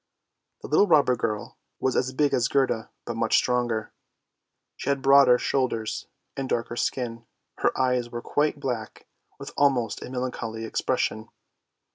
The little robber girl was as big as Gerda, but much stronger; she had broader shoulders, and darker skin, her eyes were quite black, with almost a melancholy expression.